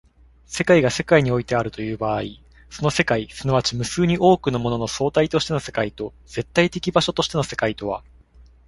世界が世界においてあるという場合、その世界即ち無数に多くのものの総体としての世界と絶対的場所としての世界とは